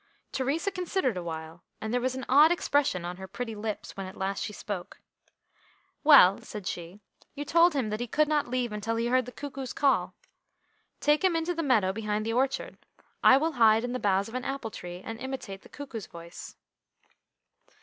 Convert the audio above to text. Theresa considered awhile, and there was an odd expression on her pretty lips when at last she spoke. "Well," said she, "you told him that he could not leave until he heard the cuckoo's call. Take him into the meadow behind the orchard. I will hide in the boughs of an apple tree, and imitate the cuckoo's voice."